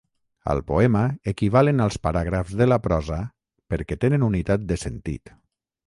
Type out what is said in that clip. Al poema, equivalen als paràgrafs de la prosa perquè tenen unitat de sentit.